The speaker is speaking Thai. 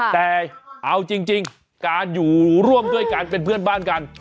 แต่เอาจริงการอยู่ร่วมด้วยการเป็นเพื่อนบ้านกัน